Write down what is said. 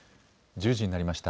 １０時になりました。